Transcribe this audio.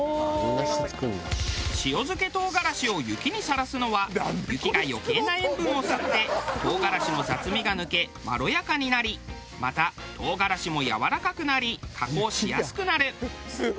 塩漬け唐辛子を雪にさらすのは雪が余計な塩分を吸って唐辛子の雑味が抜けまろやかになりまた唐辛子もやわらかくなり加工しやすくなる。